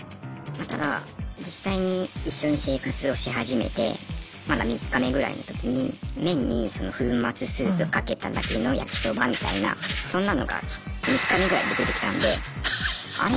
ただ実際に一緒に生活をし始めてまだ３日目ぐらいの時に麺に粉末スープかけただけの焼きそばみたいなそんなのが３日目ぐらいで出てきたんであれ？